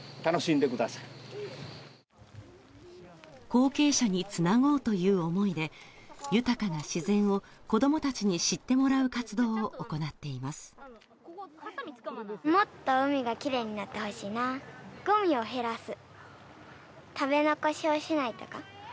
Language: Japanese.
後継者につなごうという思いで、豊かな自然を子供たちに知ってもらう活動を行っています。